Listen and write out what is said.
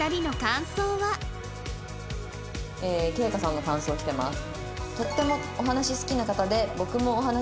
圭叶さんの感想きてます。